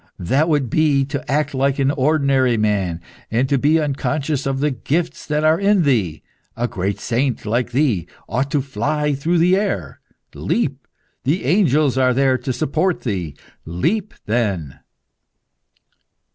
That would be to act like an ordinary man, and to be unconscious of the gifts that are in thee. A great saint, like thee, ought to fly through the air. Leap! the angels are there to support thee. Leap, then!"